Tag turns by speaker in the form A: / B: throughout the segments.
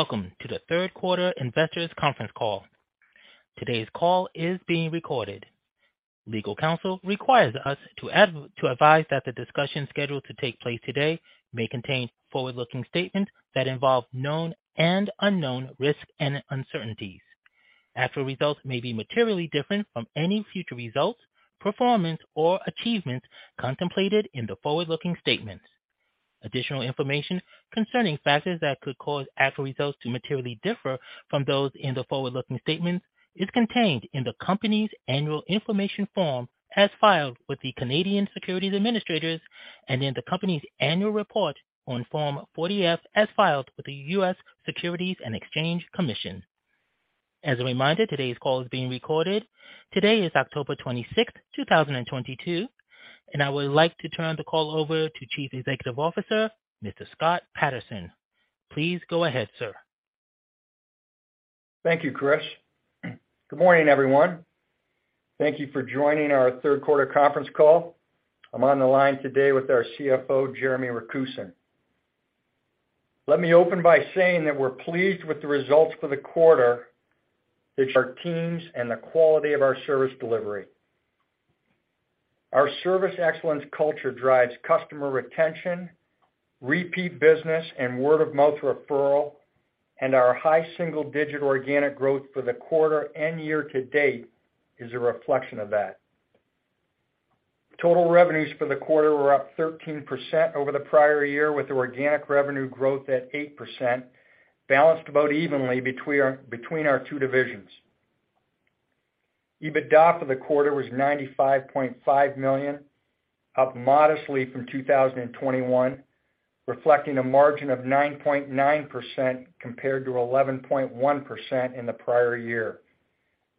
A: Welcome to the third quarter investors conference call. Today's call is being recorded. Legal counsel requires us to advise that the discussion scheduled to take place today may contain forward-looking statements that involve known and unknown risks and uncertainties. Actual results may be materially different from any future results, performance, or achievements contemplated in the forward-looking statements. Additional information concerning factors that could cause actual results to materially differ from those in the forward-looking statements is contained in the company's annual information form, as filed with the Canadian Securities Administrators and in the company's annual report on Form 40-F, as filed with the U.S. Securities and Exchange Commission. As a reminder, today's call is being recorded. Today is October 26th, 2022, and I would like to turn the call over to Chief Executive Officer, Mr. Scott Patterson. Please go ahead, sir.
B: Thank you, Chris. Good morning, everyone. Thank you for joining our third quarter conference call. I'm on the line today with our CFO, Jeremy Rakusin. Let me open by saying that we're pleased with the results for the quarter, which our teams and the quality of our service delivery. Our service excellence culture drives customer retention, repeat business, and word-of-mouth referral, and our high single-digit organic growth for the quarter and year to date is a reflection of that. Total revenues for the quarter were up 13% over the prior year, with organic revenue growth at 8% balanced about evenly between our two divisions. EBITDA for the quarter was $95.5 million, up modestly from 2021, reflecting a margin of 9.9% compared to 11.1% in the prior year.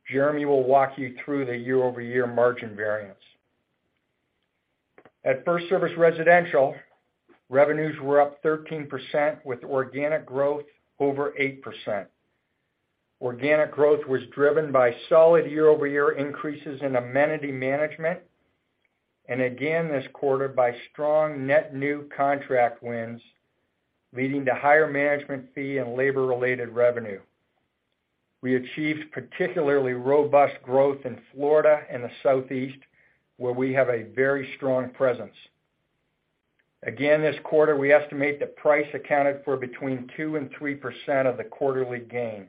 B: Jeremy will walk you through the year-over-year margin variance. At FirstService Residential, revenues were up 13% with organic growth over 8%. Organic growth was driven by solid year-over-year increases in amenity management and again this quarter by strong net new contract wins, leading to higher management fee and labor-related revenue. We achieved particularly robust growth in Florida and the Southeast, where we have a very strong presence. Again, this quarter, we estimate that price accounted for between 2% and 3% of the quarterly gain.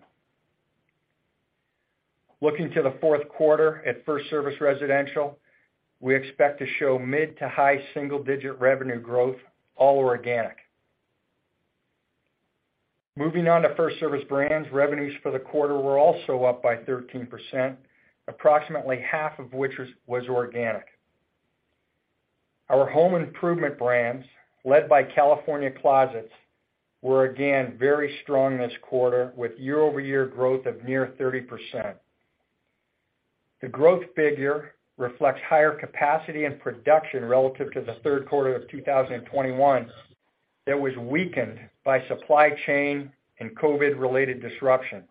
B: Looking to the fourth quarter at FirstService Residential, we expect to show mid-to-high-single-digit revenue growth, all organic. Moving on to FirstService Brands, revenues for the quarter were also up by 13%, approximately half of which was organic. Our home improvement brands, led by California Closets, were again very strong this quarter with year-over-year growth of near 30%. The growth figure reflects higher capacity and production relative to the third quarter of 2021 that was weakened by supply chain and COVID-related disruption.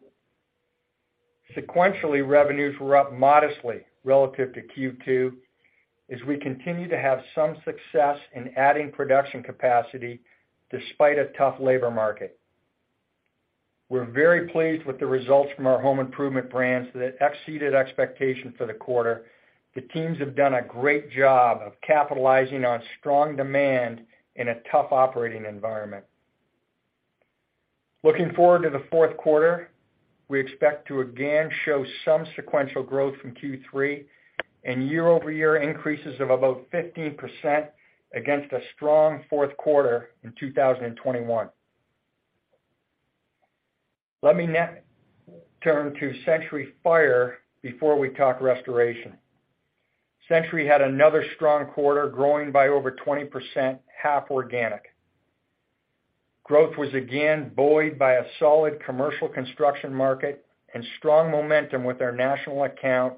B: Sequentially, revenues were up modestly relative to Q2 as we continue to have some success in adding production capacity despite a tough labor market. We're very pleased with the results from our home improvement brands that exceeded expectations for the quarter. The teams have done a great job of capitalizing on strong demand in a tough operating environment. Looking forward to the fourth quarter, we expect to again show some sequential growth from Q3 and year-over-year increases of about 15% against a strong fourth quarter in 2021. Let me now turn to Century Fire Protection before we talk restoration. Century Fire Protection had another strong quarter, growing by over 20%, half organic. Growth was again buoyed by a solid commercial construction market and strong momentum with our national account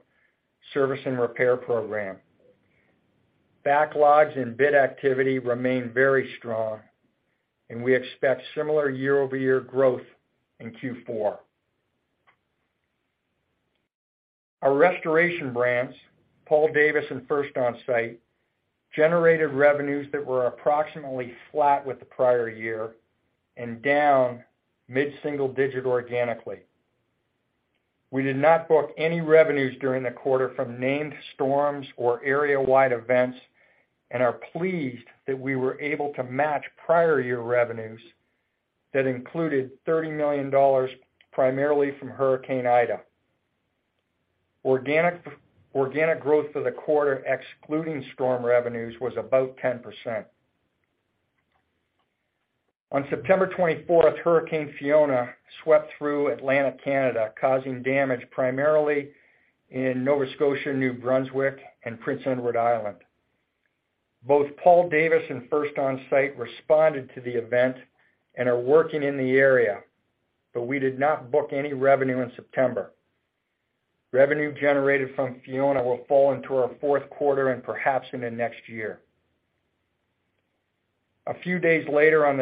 B: service and repair program. Backlogs and bid activity remain very strong, and we expect similar year-over-year growth in Q4. Our restoration brands, Paul Davis and First Onsite, generated revenues that were approximately flat with the prior year and down mid-single-digit organically. We did not book any revenues during the quarter from named storms or area-wide events and are pleased that we were able to match prior year revenues that included $30 million, primarily from Hurricane Ida. Organic growth for the quarter, excluding storm revenues, was about 10%. On September 24th, Hurricane Fiona swept through Atlantic Canada, causing damage primarily in Nova Scotia, New Brunswick, and Prince Edward Island. Both Paul Davis and First Onsite responded to the event and are working in the area, but we did not book any revenue in September. Revenue generated from Fiona will fall into our fourth quarter and perhaps into next year. A few days later, on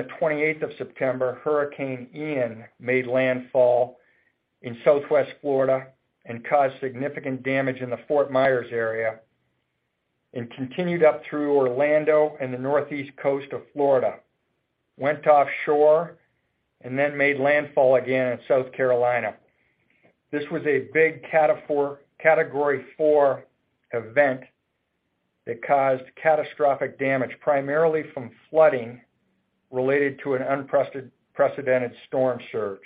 B: September 28th, Hurricane Ian made landfall in Southwest Florida and caused significant damage in the Fort Myers area, continued up through Orlando and the northeast coast of Florida, went offshore and then made landfall again in South Carolina. This was a big Category 4 event that caused catastrophic damage, primarily from flooding related to an unprecedented storm surge.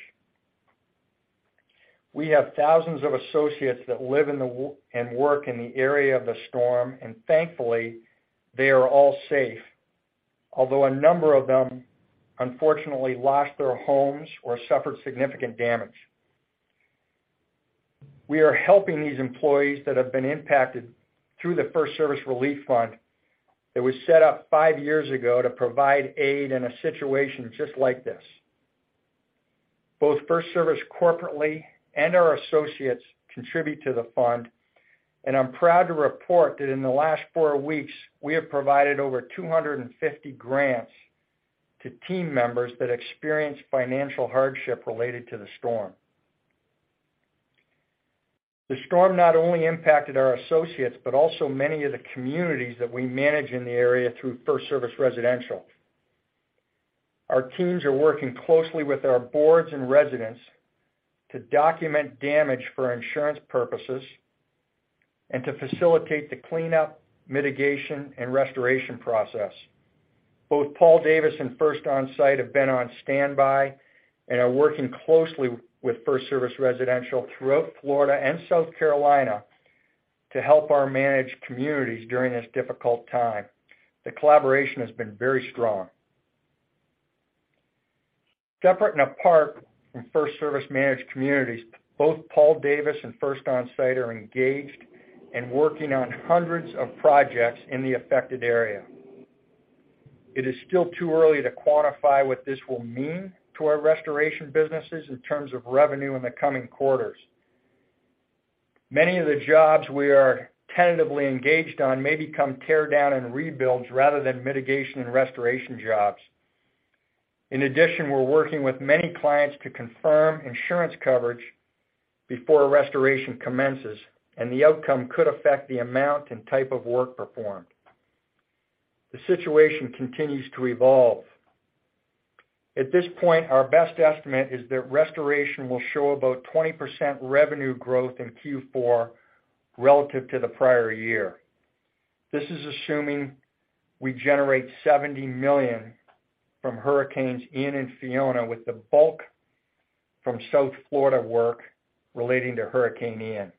B: We have thousands of associates that live and work in the area of the storm, and thankfully, they are all safe. Although a number of them, unfortunately, lost their homes or suffered significant damage. We are helping these employees that have been impacted through the FirstService Relief Fund that was set up five years ago to provide aid in a situation just like this. Both FirstService corporately and our associates contribute to the fund, and I'm proud to report that in the last four weeks, we have provided over 250 grants to team members that experienced financial hardship related to the storm. The storm not only impacted our associates, but also many of the communities that we manage in the area through FirstService Residential. Our teams are working closely with our boards and residents to document damage for insurance purposes and to facilitate the cleanup, mitigation, and restoration process. Both Paul Davis and First Onsite have been on standby and are working closely with FirstService Residential throughout Florida and South Carolina to help our managed communities during this difficult time. The collaboration has been very strong. Separate and apart from FirstService managed communities, both Paul Davis and First Onsite are engaged and working on hundreds of projects in the affected area. It is still too early to quantify what this will mean to our restoration businesses in terms of revenue in the coming quarters. Many of the jobs we are tentatively engaged on may become tear down and rebuilds rather than mitigation and restoration jobs. In addition, we're working with many clients to confirm insurance coverage before restoration commences, and the outcome could affect the amount and type of work performed. The situation continues to evolve. At this point, our best estimate is that restoration will show about 20% revenue growth in Q4 relative to the prior year. This is assuming we generate $70 million from Hurricanes Ian and Fiona, with the bulk from South Florida work relating to Hurricane Ian.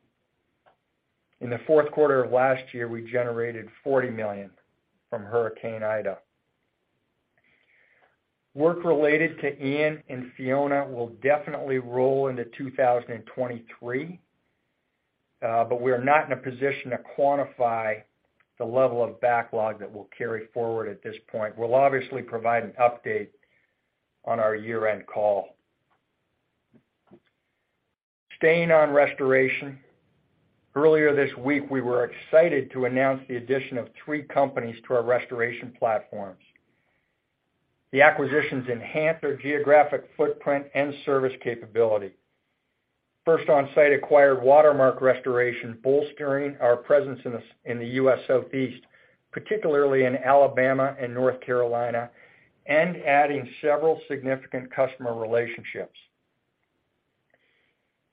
B: In the fourth quarter of last year, we generated $40 million from Hurricane Ida. Work related to Ian and Fiona will definitely roll into 2023, but we're not in a position to quantify the level of backlog that we'll carry forward at this point. We'll obviously provide an update on our year-end call. Staying on restoration, earlier this week, we were excited to announce the addition of three companies to our restoration platforms. The acquisitions enhance their geographic footprint and service capability. First Onsite acquired Watermark Restoration, bolstering our presence in the in the U.S. Southeast, particularly in Alabama and North Carolina, and adding several significant customer relationships.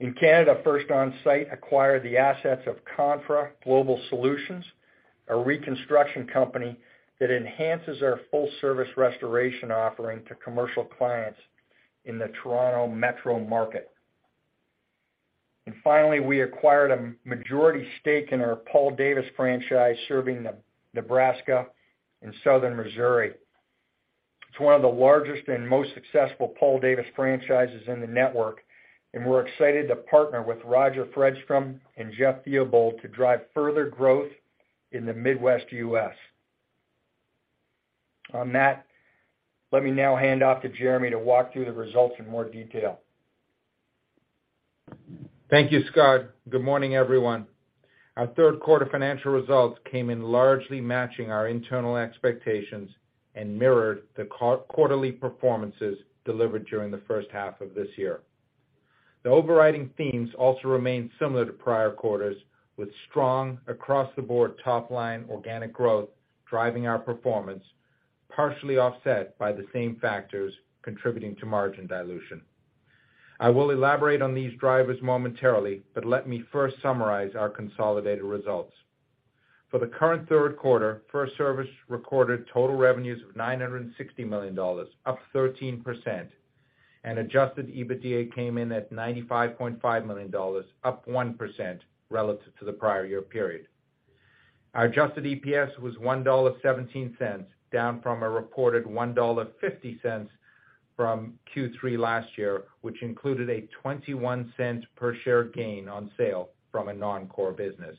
B: In Canada, First Onsite acquired the assets of Confra Global Solutions, a reconstruction company that enhances our full-service restoration offering to commercial clients in the Toronto metro market. We acquired a majority stake in our Paul Davis franchise serving Nebraska and Southern Missouri. It's one of the largest and most successful Paul Davis franchises in the network, and we're excited to partner with Roger Fredstrom and Jeff Theobald to drive further growth in the Midwest U.S. On that, let me now hand off to Jeremy to walk through the results in more detail.
C: Thank you, Scott. Good morning, everyone. Our third quarter financial results came in largely matching our internal expectations and mirrored the quarterly performances delivered during the first half of this year. The overriding themes also remained similar to prior quarters, with strong across-the-board top-line organic growth driving our performance, partially offset by the same factors contributing to margin dilution. I will elaborate on these drivers momentarily, but let me first summarize our consolidated results. For the current third quarter, FirstService recorded total revenues of $960 million, up 13%, and adjusted EBITDA came in at $95.5 million, up 1% relative to the prior year period. Our adjusted EPS was $1.17, down from a reported $1.50 from Q3 last year, which included a $0.21 per share gain on sale from a non-core business.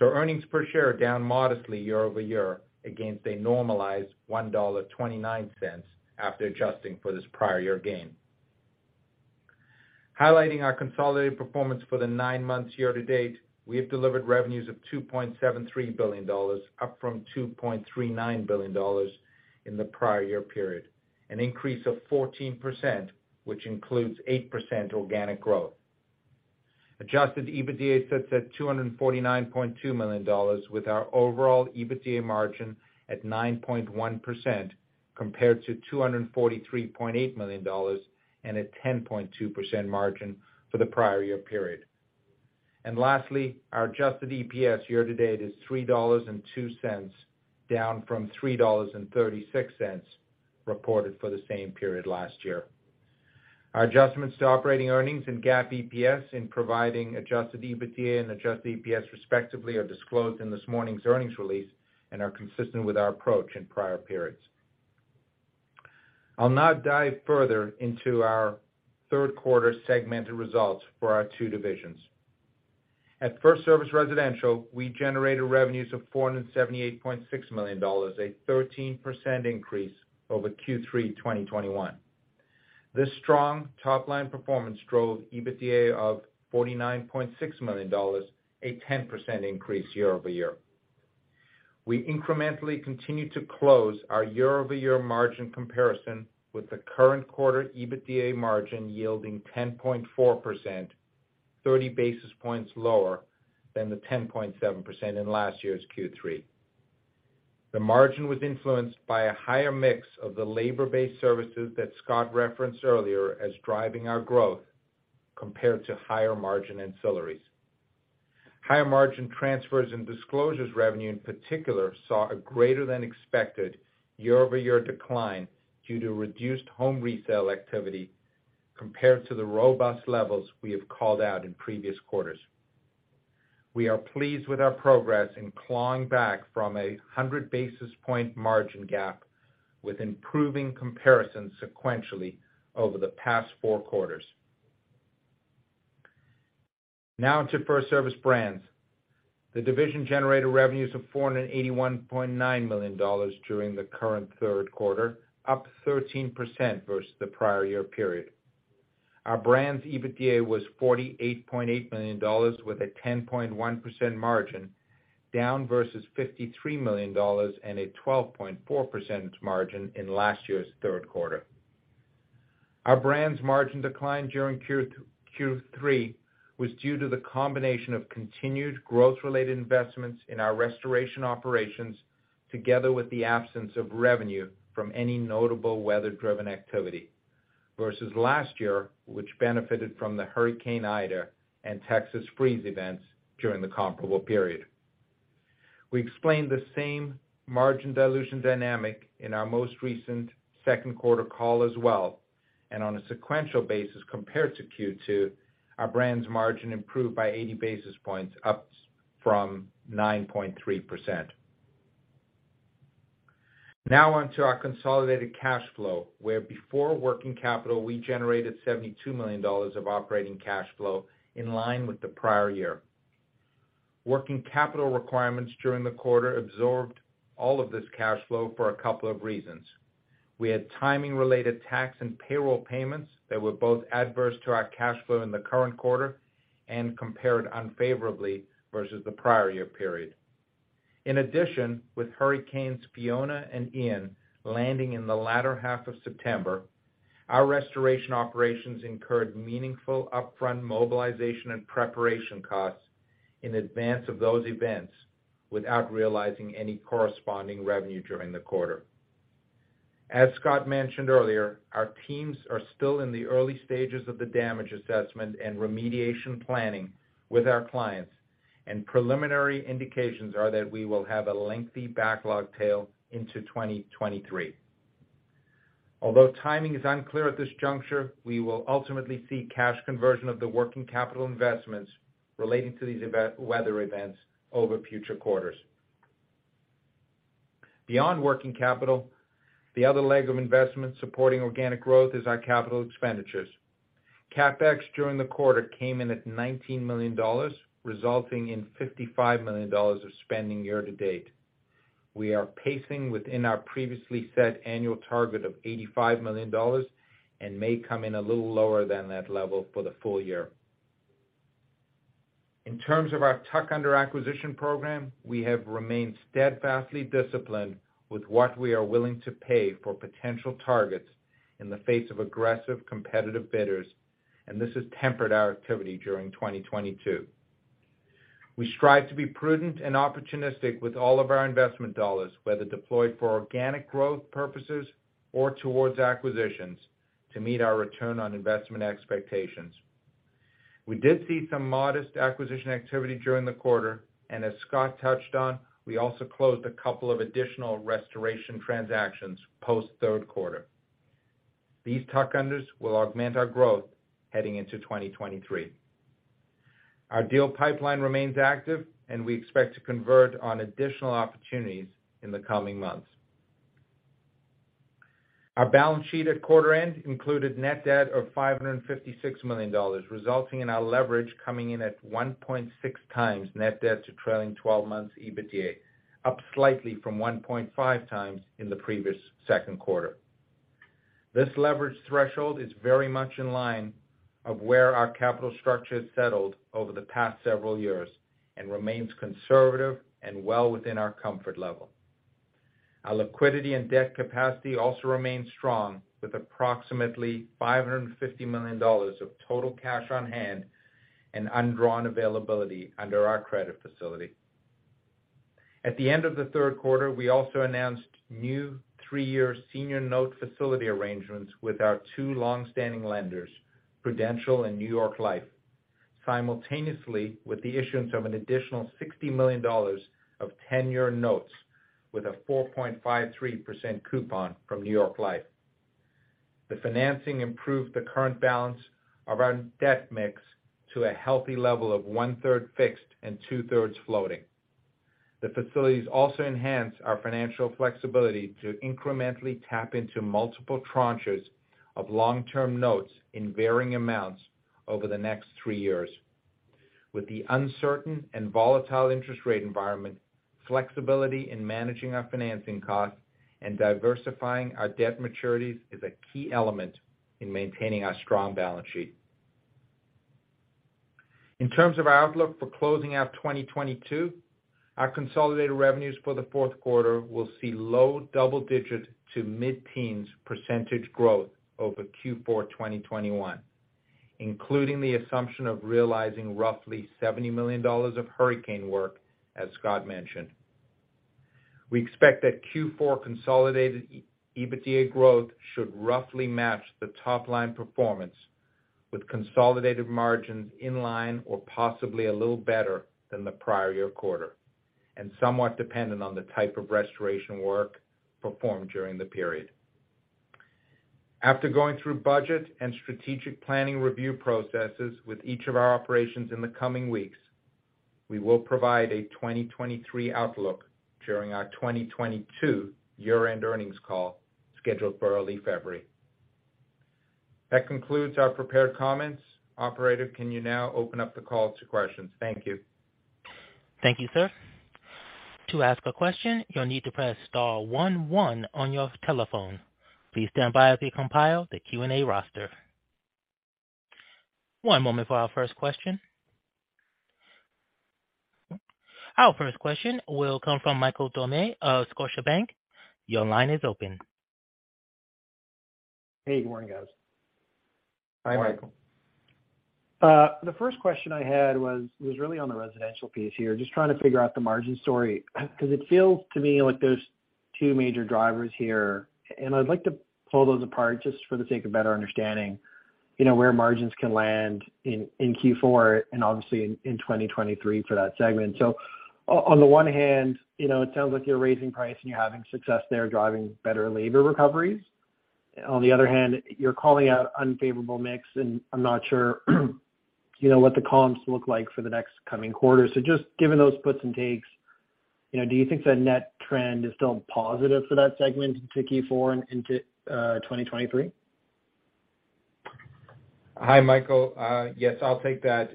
C: Earnings per share down modestly year-over-year against a normalized $1.29 after adjusting for this prior year gain. Highlighting our consolidated performance for the nine months year-to-date, we have delivered revenues of $2.73 billion, up from $2.39 billion in the prior year period, an increase of 14%, which includes 8% organic growth. Adjusted EBITDA sits at $249.2 million, with our overall EBITDA margin at 9.1% compared to $243.8 million and a 10.2% margin for the prior year period. Lastly, our adjusted EPS year-to-date is $3.02, down from $3.36 reported for the same period last year. Our adjustments to operating earnings and GAAP EPS in providing adjusted EBITDA and adjusted EPS respectively, are disclosed in this morning's earnings release and are consistent with our approach in prior periods. I'll now dive further into our third quarter segmented results for our two divisions. At FirstService Residential, we generated revenues of $478.6 million, a 13% increase over Q3 2021. This strong top-line performance drove EBITDA of $49.6 million, a 10% increase year-over-year. We incrementally continue to close our year-over-year margin comparison with the current quarter EBITDA margin yielding 10.4%, 30 basis points lower than the 10.7% in last year's Q3. The margin was influenced by a higher mix of the labor-based services that Scott referenced earlier as driving our growth compared to higher margin ancillaries. Higher margin transfers and disclosures revenue in particular, saw a greater-than-expected year-over-year decline due to reduced home resale activity compared to the robust levels we have called out in previous quarters. We are pleased with our progress in clawing back from a 100 basis point margin gap with improving comparisons sequentially over the past four quarters. Now on to FirstService Brands. The division generated revenues of $481.9 million during the current third quarter, up 13% versus the prior year period. Our brand's EBITDA was $48.8 million with a 10.1% margin, down versus $53 million and a 12.4% margin in last year's third quarter. Our brand's margin decline during Q3 was due to the combination of continued growth-related investments in our restoration operations, together with the absence of revenue from any notable weather-driven activity versus last year, which benefited from the Hurricane Ida and Texas freeze events during the comparable period. We explained the same margin dilution dynamic in our most recent second quarter call as well, and on a sequential basis compared to Q2, our brand's margin improved by 80 basis points, up from 9.3%. Now on to our consolidated cash flow, where before working capital, we generated $72 million of operating cash flow in line with the prior year. Working capital requirements during the quarter absorbed all of this cash flow for a couple of reasons. We had timing-related tax and payroll payments that were both adverse to our cash flow in the current quarter and compared unfavorably versus the prior year period. In addition, with Hurricanes Fiona and Ian landing in the latter half of September, our restoration operations incurred meaningful upfront mobilization and preparation costs in advance of those events without realizing any corresponding revenue during the quarter. As Scott mentioned earlier, our teams are still in the early stages of the damage assessment and remediation planning with our clients, and preliminary indications are that we will have a lengthy backlog tail into 2023. Although timing is unclear at this juncture, we will ultimately see cash conversion of the working capital investments relating to these weather events over future quarters. Beyond working capital, the other leg of investment supporting organic growth is our capital expenditures. CapEx during the quarter came in at $19 million, resulting in $55 million of spending year-to-date. We are pacing within our previously set annual target of $85 million and may come in a little lower than that level for the full year. In terms of our tuck-under acquisition program, we have remained steadfastly disciplined with what we are willing to pay for potential targets in the face of aggressive competitive bidders, and this has tempered our activity during 2022. We strive to be prudent and opportunistic with all of our investment dollars, whether deployed for organic growth purposes or towards acquisitions to meet our return on investment expectations. We did see some modest acquisition activity during the quarter, and as Scott touched on, we also closed a couple of additional restoration transactions post third quarter. These tuck-unders will augment our growth heading into 2023. Our deal pipeline remains active, and we expect to convert on additional opportunities in the coming months. Our balance sheet at quarter end included net debt of $556 million, resulting in our leverage coming in at 1.6x net debt to trailing 12 months EBITDA, up slightly from 1.5x in the previous second quarter. This leverage threshold is very much in line with where our capital structure has settled over the past several years and remains conservative and well within our comfort level. Our liquidity and debt capacity also remains strong with approximately $550 million of total cash on hand and undrawn availability under our credit facility. At the end of the third quarter, we also announced new three-year senior note facility arrangements with our two long-standing lenders, Prudential and New York Life, simultaneously with the issuance of an additional $60 million of 10-year notes with a 4.53% coupon from New York Life. The financing improved the current balance of our debt mix to a healthy level of 1/3 fixed and 2/3s floating. The facilities also enhance our financial flexibility to incrementally tap into multiple tranches of long-term notes in varying amounts over the next three years. With the uncertain and volatile interest rate environment, flexibility in managing our financing costs and diversifying our debt maturities is a key element in maintaining our strong balance sheet. In terms of our outlook for closing out 2022, our consolidated revenues for the fourth quarter will see low double-digit to mid-teens percentage growth over Q4 2021, including the assumption of realizing roughly $70 million of hurricane work, as Scott mentioned. We expect that Q4 consolidated EBITDA growth should roughly match the top-line performance with consolidated margins in line or possibly a little better than the prior year quarter, and somewhat dependent on the type of restoration work performed during the period. After going through budget and strategic planning review processes with each of our operations in the coming weeks, we will provide a 2023 outlook during our 2022 year-end earnings call scheduled for early February. That concludes our prepared comments. Operator, can you now open up the call to questions? Thank you.
A: Thank you, sir. To ask a question, you'll need to press star one one on your telephone. Please stand by as we compile the Q&A roster. One moment for our first question. Our first question will come from Michael Doumet of Scotiabank. Your line is open.
D: Hey, good morning, guys.
C: Hi, Michael.
D: The first question I had was really on the residential piece here. Just trying to figure out the margin story, 'cause it feels to me like there's two major drivers here, and I'd like to pull those apart just for the sake of better understanding, you know, where margins can land in Q4 and obviously in 2023 for that segment. On the one hand, you know, it sounds like you're raising price and you're having success there, driving better labor recoveries. On the other hand, you're calling out unfavorable mix, and I'm not sure you know, what the comps look like for the next coming quarters. Just given those puts and takes, you know, do you think the net trend is still positive for that segment into Q4 and into 2023?
C: Hi, Michael. Yes, I'll take that.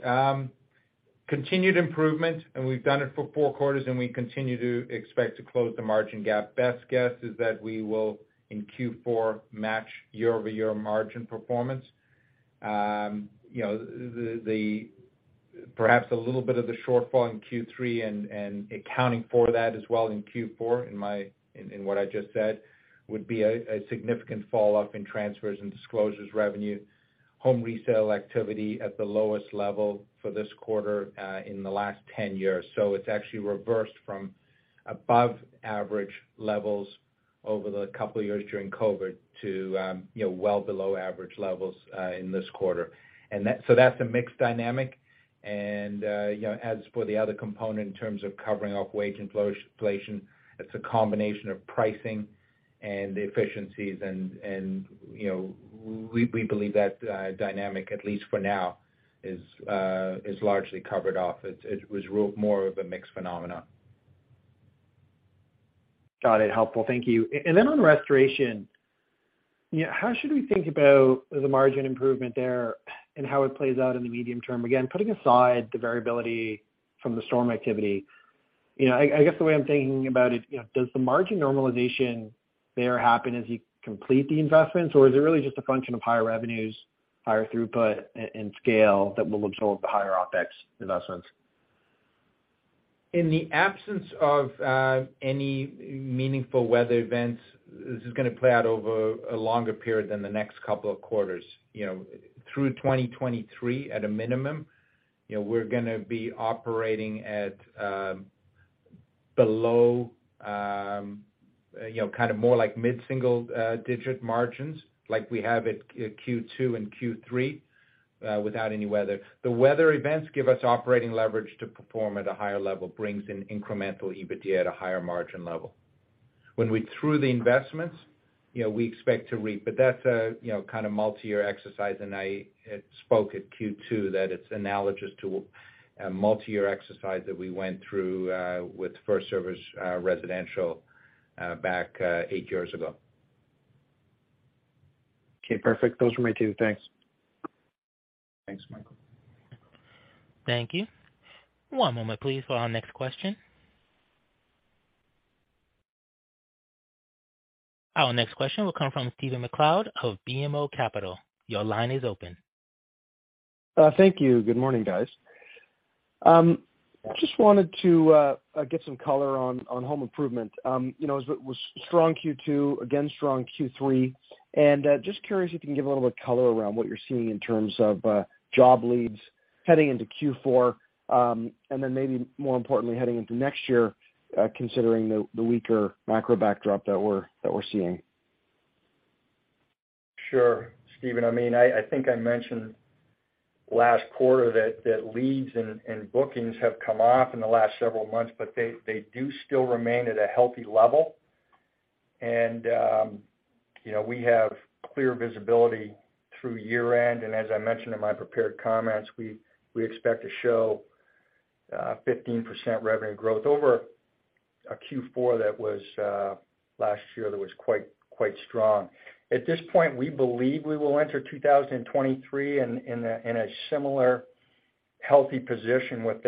C: Continued improvement, and we've done it for four quarters, and we continue to expect to close the margin gap. Best guess is that we will, in Q4, match year-over-year margin performance. Perhaps a little bit of the shortfall in Q3 and accounting for that as well in Q4, in what I just said, would be a significant falloff in transfers and disclosures revenue, home resale activity at the lowest level for this quarter in the last 10 years. It's actually reversed from above average levels over the couple of years during COVID to well below average levels in this quarter. That's the mix dynamic. You know, as for the other component in terms of covering off wage inflation, it's a combination of pricing and the efficiencies and, you know, we believe that dynamic, at least for now, is largely covered off. It was more of a mix phenomena.
D: Got it. Helpful. Thank you. On restoration, you know, how should we think about the margin improvement there and how it plays out in the medium term? Again, putting aside the variability from the storm activity. You know, I guess the way I'm thinking about it, you know, does the margin normalization there happen as you complete the investments? Is it really just a function of higher revenues, higher throughput and scale that will absorb the higher OpEx investments?
C: In the absence of any meaningful weather events, this is gonna play out over a longer period than the next couple of quarters. You know, through 2023 at a minimum, you know, we're gonna be operating at below you know kind of more like mid-single-digit margins like we have at Q2 and Q3 without any weather. The weather events give us operating leverage to perform at a higher level, brings in incremental EBITDA at a higher margin level. When we're through the investments, you know, we expect to reap, but that's a you know kind of multi-year exercise and I spoke at Q2 that it's analogous to a multi-year exercise that we went through with FirstService Residential back eight years ago.
D: Okay, perfect. Those were my two. Thanks.
C: Thanks, Michael.
A: Thank you. One moment please for our next question. Our next question will come from Stephen MacLeod of BMO Capital. Your line is open.
E: Thank you. Good morning, guys. Just wanted to get some color on home improvement. You know, it was strong Q2, again, strong Q3. Just curious if you can give a little bit of color around what you're seeing in terms of job leads heading into Q4. Maybe more importantly, heading into next year, considering the weaker macro backdrop that we're seeing.
B: Sure. Stephen, I mean, I think I mentioned last quarter that leads and bookings have come off in the last several months, but they do still remain at a healthy level. You know, we have clear visibility through year-end. As I mentioned in my prepared comments, we expect to show 15% revenue growth over a Q4 that was last year, that was quite strong. At this point, we believe we will enter 2023 in a similar healthy position with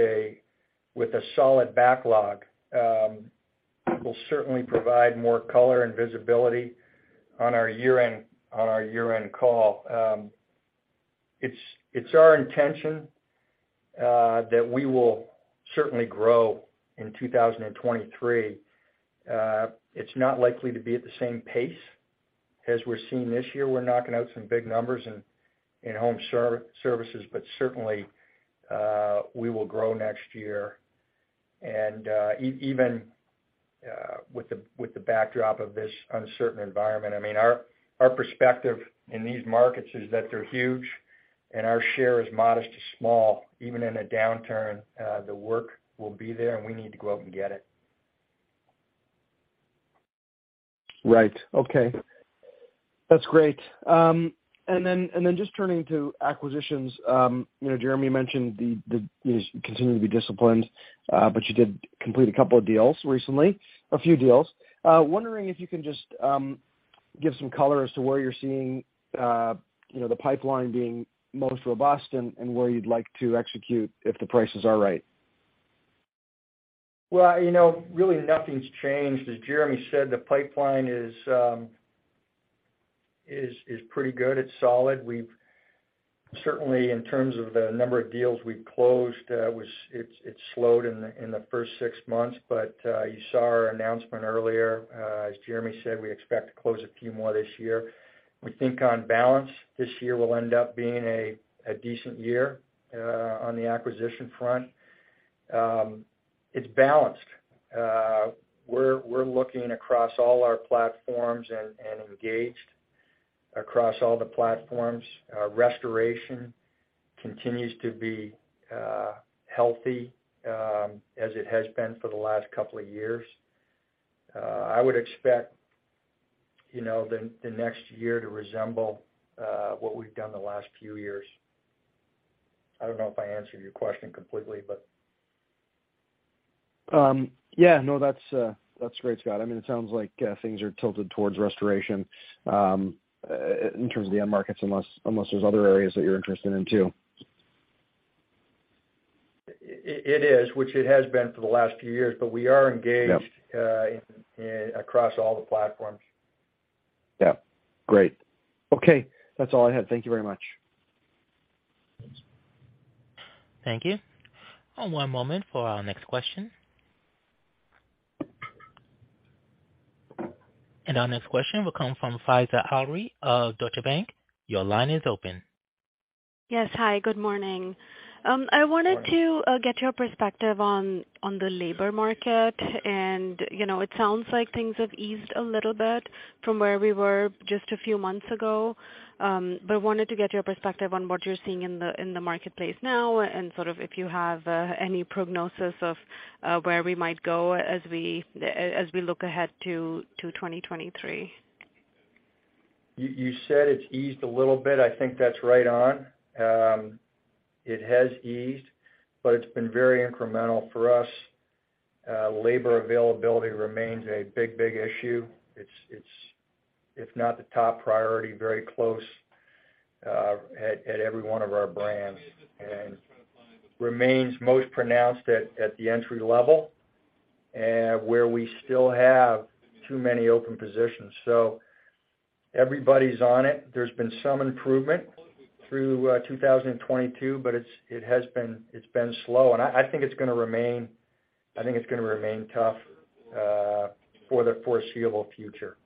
B: a solid backlog. We'll certainly provide more color and visibility on our year-end call. It's our intention that we will certainly grow in 2023. It's not likely to be at the same pace as we're seeing this year. We're knocking out some big numbers in home services, but certainly, we will grow next year. Even with the backdrop of this uncertain environment, I mean, our perspective in these markets is that they're huge and our share is modest to small. Even in a downturn, the work will be there, and we need to go out and get it.
E: Right. Okay. That's great. Just turning to acquisitions. You know, Jeremy mentioned the continuing to be disciplined, but you did complete a couple of deals recently, a few deals. Wondering if you can just give some color as to where you're seeing the pipeline being most robust and where you'd like to execute if the prices are right.
B: Well, you know, really nothing's changed. As Jeremy said, the pipeline is pretty good. It's solid. We've certainly, in terms of the number of deals we've closed, it slowed in the first six months. You saw our announcement earlier. As Jeremy said, we expect to close a few more this year. We think on balance, this year will end up being a decent year on the acquisition front. It's balanced. We're looking across all our platforms and engaged across all the platforms. Restoration continues to be healthy as it has been for the last couple of years. I would expect, you know, the next year to resemble what we've done the last few years. I don't know if I answered your question completely, but.
E: Yeah, no, that's great, Scott. I mean, it sounds like things are tilted towards restoration in terms of the end markets, unless there's other areas that you're interested in too.
B: It is, which it has been for the last few years, but we are engaged.
E: Yeah.
B: in across all the platforms.
E: Yeah. Great. Okay. That's all I had. Thank you very much.
A: Thank you. One moment for our next question. Our next question will come from Faiza Alwy of Deutsche Bank. Your line is open.
F: Yes. Hi, good morning. I wanted to get your perspective on the labor market. You know, it sounds like things have eased a little bit from where we were just a few months ago. Wanted to get your perspective on what you're seeing in the marketplace now and sort of if you have any prognosis of where we might go as we look ahead to 2023.
B: You said it's eased a little bit. I think that's right on. It has eased, but it's been very incremental for us. Labor availability remains a big issue. It's if not the top priority, very close at every one of our brands. Remains most pronounced at the entry level, where we still have too many open positions. Everybody's on it. There's been some improvement through 2022, but it's been slow. I think it's gonna remain tough for the foreseeable future.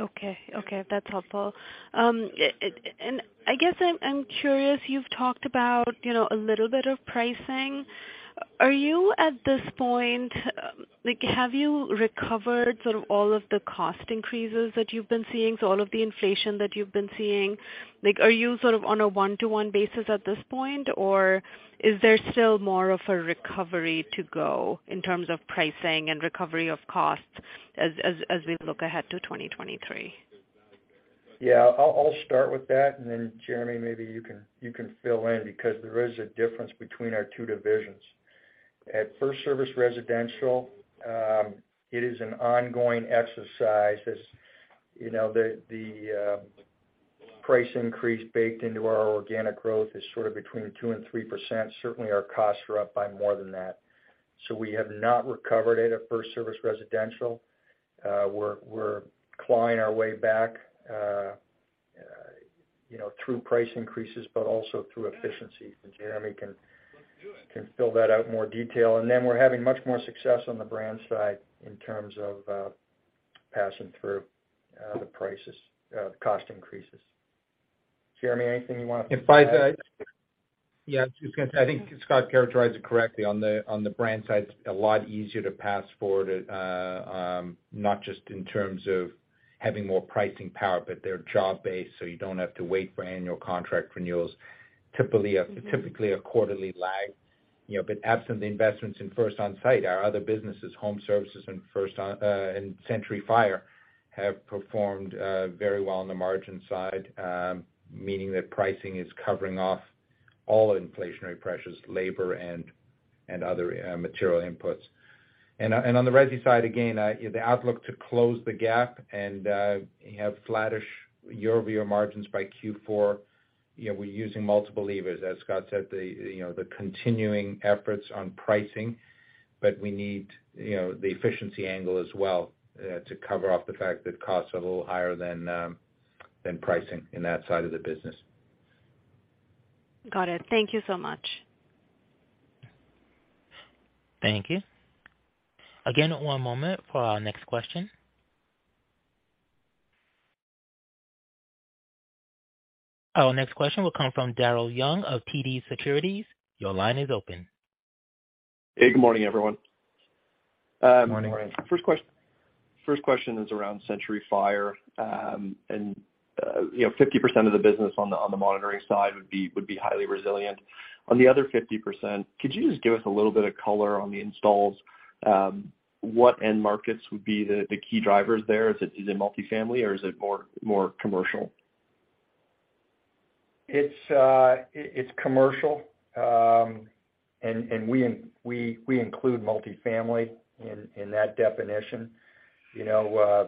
F: Okay, that's helpful. I guess I'm curious, you've talked about, you know, a little bit of pricing. Are you, at this point, like, have you recovered sort of all of the cost increases that you've been seeing, so all of the inflation that you've been seeing? Like, are you sort of on a one-to-one basis at this point, or is there still more of a recovery to go in terms of pricing and recovery of costs as we look ahead to 2023?
B: Yeah. I'll start with that, and then Jeremy, maybe you can fill in because there is a difference between our two divisions. At FirstService Residential, it is an ongoing exercise. As you know, the price increase baked into our organic growth is sort of between 2% and 3%. Certainly, our costs are up by more than that. We have not recovered it at FirstService Residential. We're clawing our way back, you know, through price increases, but also through efficiency. Jeremy can fill that out in more detail. We're having much more success on the brand side in terms of passing through the prices, the cost increases. Jeremy, anything you wanna add?
C: Yeah, I was just gonna say, I think Scott characterized it correctly. On the brand side, it's a lot easier to pass forward, not just in terms of having more pricing power, but they're job-based, so you don't have to wait for annual contract renewals.
F: Mm-hmm.
C: Typically a quarterly lag, you know. Absent the investments in First Onsite, our other businesses, Home Services and Century Fire Protection, have performed very well on the margin side, meaning that pricing is covering off all inflationary pressures, labor and other material inputs. On the resi side, again, the outlook to close the gap and you have flattish year-over-year margins by Q4, you know, we're using multiple levers. As Scott said, you know, the continuing efforts on pricing, but we need, you know, the efficiency angle as well, to cover off the fact that costs are a little higher than pricing in that side of the business.
F: Got it. Thank you so much.
A: Thank you. Again, one moment for our next question. Our next question will come from Daryl Young of TD Securities. Your line is open.
G: Hey, good morning, everyone.
B: Good morning.
C: Morning.
G: First question is around Century Fire Protection. You know, 50% of the business on the monitoring side would be highly resilient. On the other 50%, could you just give us a little bit of color on the installs? What end markets would be the key drivers there? Is it multifamily or is it more commercial?
B: It's commercial. We include multifamily in that definition. You know,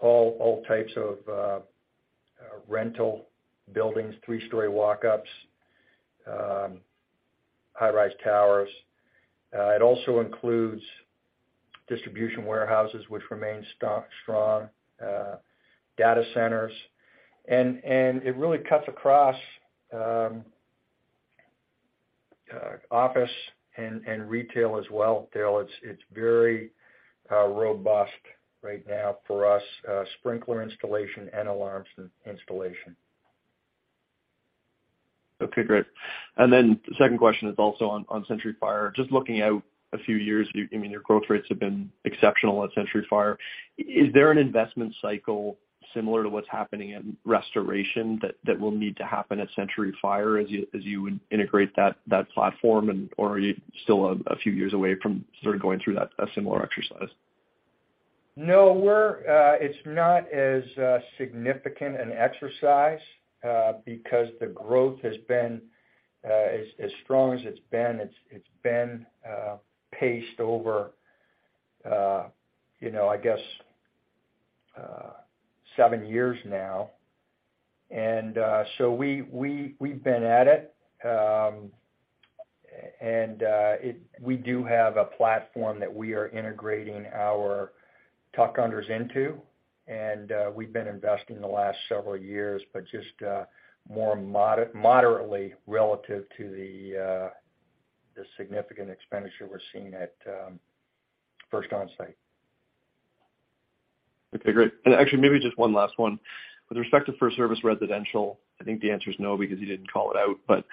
B: all types of rental buildings, three-story walk-ups, high-rise towers. It also includes distribution warehouses, which remain strong, data centers. It really cuts across office and retail as well, Daryl. It's very robust right now for us, sprinkler installation and alarms installation.
G: Okay, great. The second question is also on Century Fire. Just looking out a few years, you, I mean, your growth rates have been exceptional at Century Fire. Is there an investment cycle similar to what's happening at Restoration that will need to happen at Century Fire as you integrate that platform, and/or are you still a few years away from sort of going through that, a similar exercise?
B: No, we're. It's not as significant an exercise because the growth has been as strong as it's been. It's been paced over you know, I guess, seven years now. So we've been at it. We do have a platform that we are integrating our tuck-unders into, and we've been investing the last several years, but just more moderately relative to the significant expenditure we're seeing at First Onsite.
G: Okay, great. Actually, maybe just one last one. With respect to FirstService Residential, I think the answer is no because you didn't call it out, but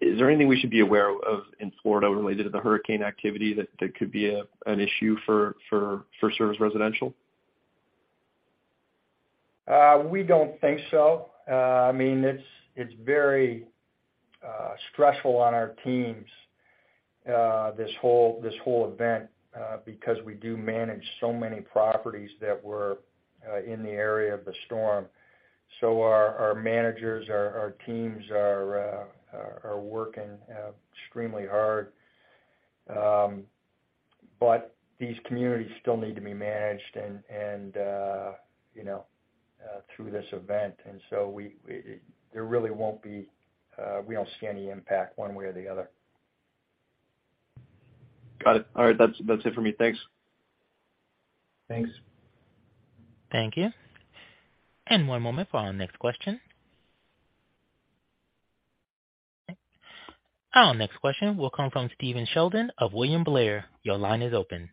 G: is there anything we should be aware of in Florida related to the hurricane activity that could be an issue for FirstService Residential?
B: We don't think so. I mean, it's very stressful on our teams, this whole event, because we do manage so many properties that were in the area of the storm. Our managers, our teams are working extremely hard. These communities still need to be managed and you know, through this event. There really won't be. We don't see any impact one way or the other.
G: Got it. All right. That's it for me. Thanks.
B: Thanks.
A: Thank you. One moment for our next question. Our next question will come from Stephen Sheldon of William Blair. Your line is open.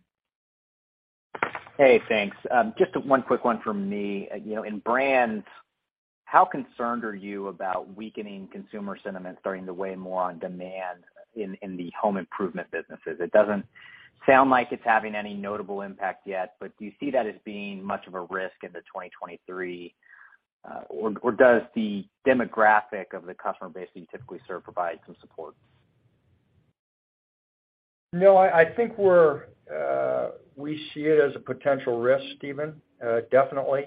H: Hey, thanks. Just one quick one from me. You know, in brands, how concerned are you about weakening consumer sentiment starting to weigh more on demand in the home improvement businesses? It doesn't sound like it's having any notable impact yet, but do you see that as being much of a risk into 2023? Or does the demographic of the customer base that you typically serve provide some support?
B: No, I think we see it as a potential risk, Stephen, definitely.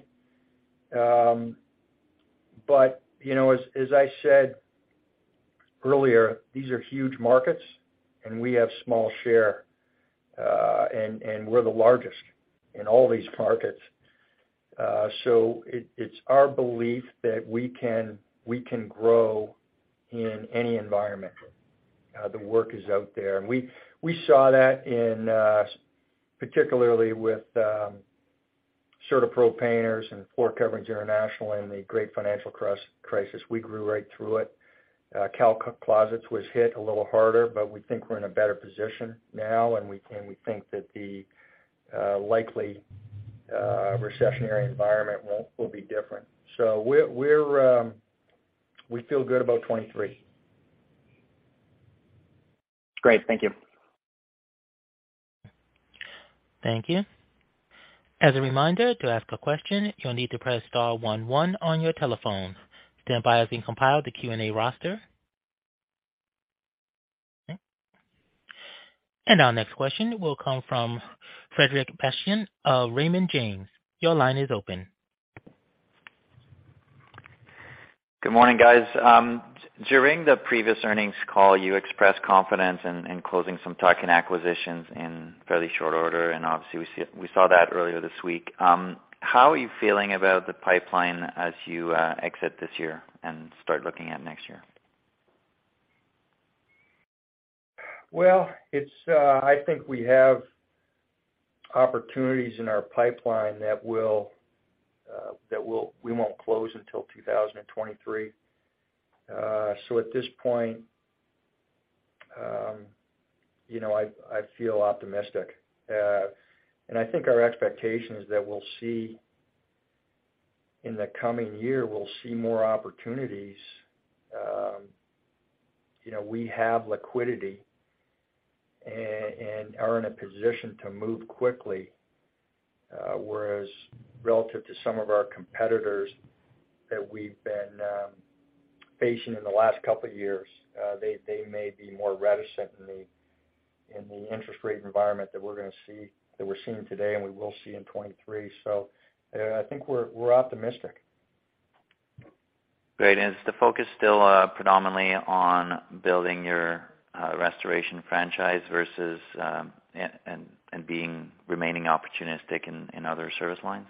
B: You know, as I said earlier, these are huge markets and we have small share, and we're the largest in all these markets. It's our belief that we can grow in any environment. The work is out there. We saw that in, particularly with, CertaPro Painters and Floor Coverings International in the great financial crisis. We grew right through it. California Closets was hit a little harder, but we think we're in a better position now, and we think that the likely recessionary environment will be different. We feel good about 2023.
H: Great. Thank you.
A: Thank you. As a reminder, to ask a question, you'll need to press star one one on your telephone. Stand by as we compile the Q&A roster. Our next question will come from Frederic Bastien of Raymond James. Your line is open.
I: Good morning, guys. During the previous earnings call, you expressed confidence in closing some tuck-in acquisitions in fairly short order, and obviously we saw that earlier this week. How are you feeling about the pipeline as you exit this year and start looking at next year?
B: Well, I think we have opportunities in our pipeline that we won't close until 2023. At this point, you know, I feel optimistic. I think our expectation is that we'll see more opportunities in the coming year. You know, we have liquidity and are in a position to move quickly, whereas relative to some of our competitors that we've been facing in the last couple years, they may be more reticent in the interest rate environment that we're gonna see, that we're seeing today, and we will see in 2023. I think we're optimistic.
I: Great. Is the focus still predominantly on building your restoration franchise versus and being remaining opportunistic in other service lines?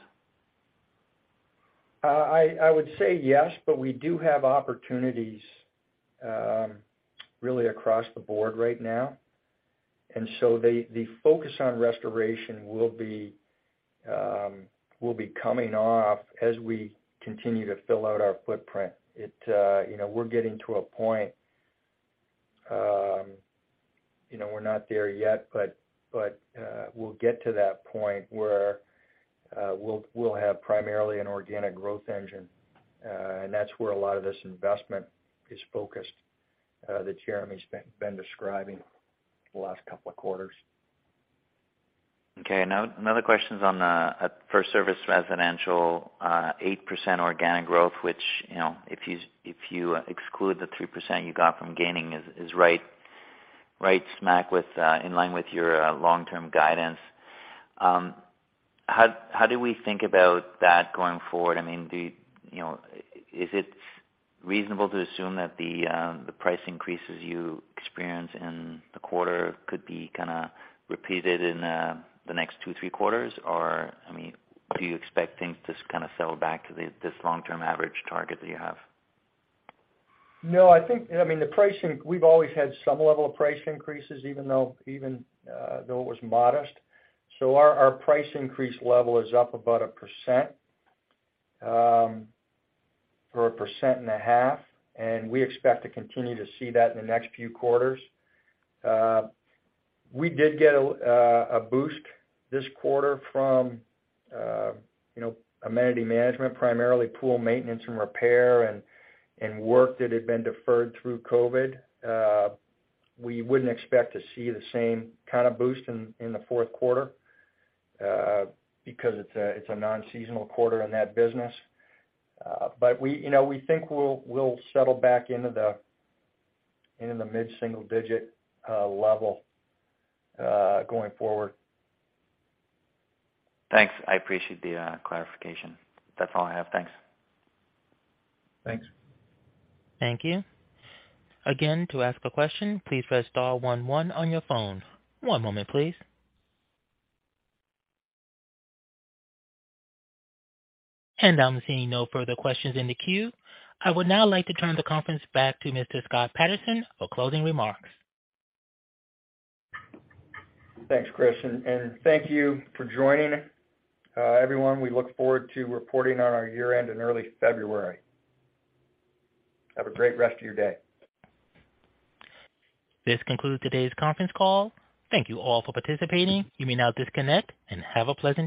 B: I would say yes, but we do have opportunities really across the board right now. The focus on restoration will be coming off as we continue to fill out our footprint. You know, we're getting to a point, you know, we're not there yet, but we'll get to that point where we'll have primarily an organic growth engine, and that's where a lot of this investment is focused, that Jeremy's been describing the last couple of quarters.
I: Okay. Another question is on the FirstService Residential 8% organic growth, which, you know, if you exclude the 3% you got from gaining is right smack in line with your long-term guidance. How do we think about that going forward? I mean, do you know, is it reasonable to assume that the price increases you experience in the quarter could be kinda repeated in the next two, three quarters? Or, I mean, do you expect things to kind of settle back to this long-term average target that you have?
B: No, I think I mean, the pricing, we've always had some level of price increases, even though it was modest. Our price increase level is up about 1%, or 1.5%, and we expect to continue to see that in the next few quarters. We did get a boost this quarter from, you know, amenity management, primarily pool maintenance and repair and work that had been deferred through COVID. We wouldn't expect to see the same kind of boost in the fourth quarter, because it's a non-seasonal quarter in that business. We, you know, we think we'll settle back into the mid-single-digit level going forward.
I: Thanks. I appreciate the clarification. That's all I have. Thanks.
B: Thanks.
A: Thank you. Again, to ask a question, please press star one one on your phone. One moment, please. I'm seeing no further questions in the queue. I would now like to turn the conference back to Mr. Scott Patterson for closing remarks.
B: Thanks, Chris. Thank you for joining, everyone. We look forward to reporting on our year-end in early February. Have a great rest of your day.
A: This concludes today's conference call. Thank you all for participating. You may now disconnect and have a pleasant day.